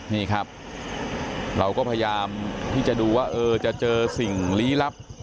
นี่ครับเราก็พยายามที่จะดูว่าเออจะเจอสิ่งลี้ลับ